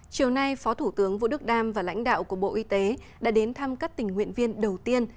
chiều nay phó thủ tướng vũ đức đam và lãnh đạo của bộ y tế đã đến thăm các tình nguyện viên đầu tiên